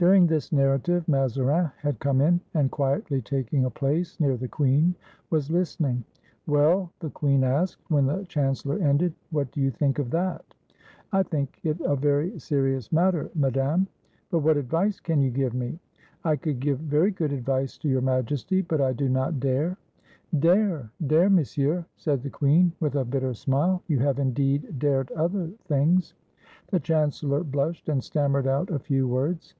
During this narrative Mazarin had come in, and quietly taking a place near the queen was Hstening. "Well," the queen asked, when the chancellor ended, "what do you think of that?" "I think it a very serious matter, Madame." " But what advice can you give me? " "I could give very good advice to Your Majesty, but I do not dare." "Dare, dare. Monsieur," said the queen, with a bitter smile; "yo^ have, indeed, dared other things." The chancellor blushed, and stammered out a few words.